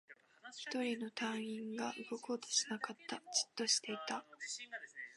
一人の隊員が動こうとしなかった。じっとしていた。